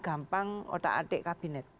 gampang otak adik kabinet